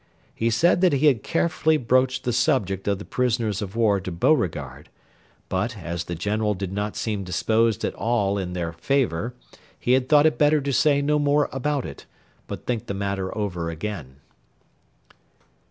He said that he had carefully broached the subject of the prisoners of war to Beauregard, but, as the General did not seem disposed at all in their favour, he had thought it better to say no more about it, but think the matter over again.